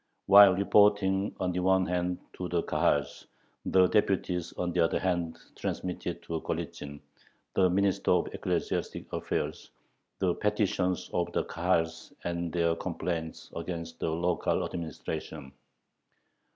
While reporting on the one hand to the Kahals, the deputies on the other hand transmitted to Golitzin, the Minister of Ecclesiastic Affairs, the petitions of the Kahals and their complaints against the local administration.